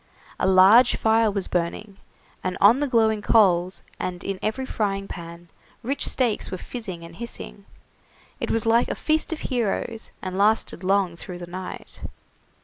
A large fire was burning, and on the glowing coals, and in every frying pan rich steaks were fizzing and hissing. It was like a feast of heroes, and lasted long through the night.